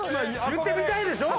言ってみたいでしょ？